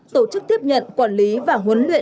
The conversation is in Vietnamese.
tổ chức tiếp nhận quản lý và huấn luyện